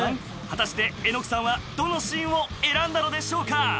果たして榎木さんはどのシーンを選んだのでしょうか？